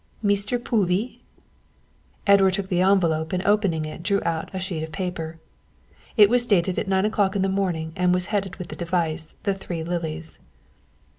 "Meester Povee?" Edward took the envelope and opening it drew out a sheet of paper. It was dated at nine o'clock in the morning and was headed with the device THE THREE LILIES.